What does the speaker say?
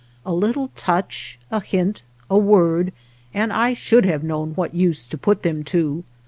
A little touch, a hint, a word, and I should have known what use to put them to.